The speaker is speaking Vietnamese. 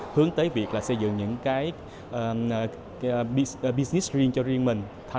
hướng tới việc xây dựng những business green cho riêng mình